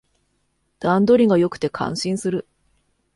段取りが良くて感心する